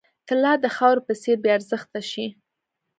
طلا د خاورې په څېر بې ارزښته شي.